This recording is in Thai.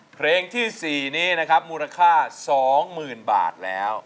เพลงที่สี่นี้นะครับมูลค่าสองหมื่นบาทแล้ว